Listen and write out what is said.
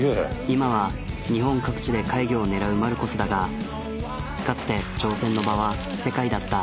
今は日本各地で怪魚を狙うマルコスだがかつて挑戦の場は世界だった。